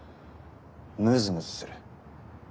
ムズムズする。